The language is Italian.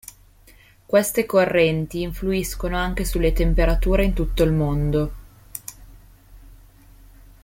Queste correnti influiscono anche sulle temperature in tutto il mondo.